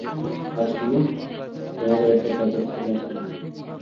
আর শোন, তোমাদের একটা কাজের ছেলে আছে নাকি?